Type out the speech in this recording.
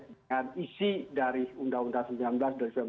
dengan isi dari undang undang dua ribu sembilan belas